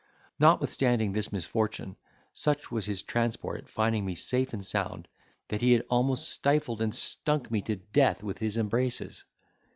Notwithstanding this misfortune, such was his transport at finding me safe and sound, that he had almost stifled and stunk me to death with his embraces.